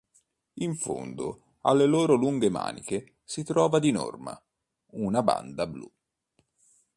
In fondo alle loro lunghe maniche si trova di norma una banda blu.